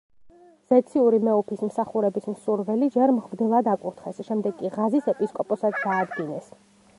ზეციური მეუფის მსახურების მსურველი ჯერ მღვდლად აკურთხეს, შემდეგ კი ღაზის ეპისკოპოსად დაადგინეს.